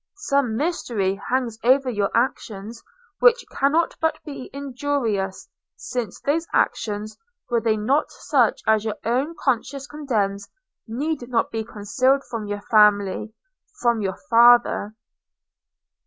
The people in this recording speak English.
Some mystery hangs over your actions, which cannot but be injurious, since those actions, were they not such as your own conscience condemns, need not be concealed from your family – from your father!'